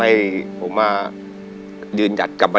มาฝากสิทธิ์ค่ะ